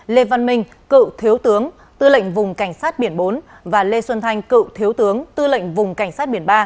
lê văn minh cựu thiếu tướng tư lệnh vùng cảnh sát biển bốn và lê xuân thanh cựu thiếu tướng tư lệnh vùng cảnh sát biển ba